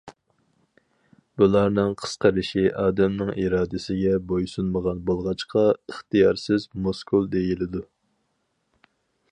بۇلارنىڭ قىسقىرىشى ئادەمنىڭ ئىرادىسىگە بويسۇنمىغان بولغاچقا، ئىختىيارسىز مۇسكۇل دېيىلىدۇ.